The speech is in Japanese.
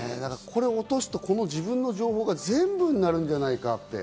これを落とすと自分の情報が全部になるんじゃないかって。